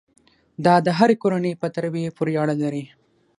دا د هرې کورنۍ په تربیې پورې اړه لري.